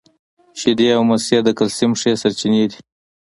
شیدې او مستې د کلسیم ښې سرچینې دي